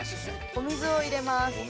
お水を入れます。